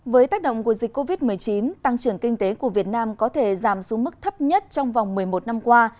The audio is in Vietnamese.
với tác động của dịch covid một mươi chín tăng trưởng kinh tế của việt nam có thể giảm xuống mức thấp nhất trong vòng một mươi một năm qua